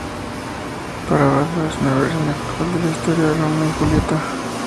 Para Valo es "una versión actual de la historia de Romeo y Julieta".